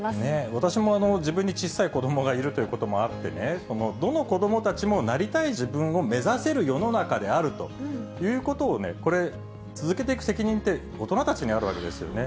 私も自分に小さい子どもがいるということもあってね、どの子どもたちもなりたい自分を目指せる世の中であるということを、これ、続けていく責任って、大人たちにあるわけですよね。